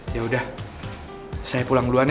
yaudah saya pulang duluan ya